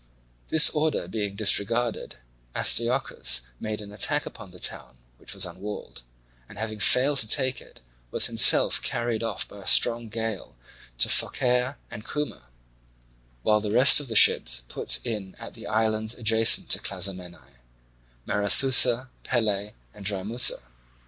This order being disregarded, Astyochus made an attack upon the town, which was unwalled, and having failed to take it was himself carried off by a strong gale to Phocaea and Cuma, while the rest of the ships put in at the islands adjacent to Clazomenae—Marathussa, Pele, and Drymussa.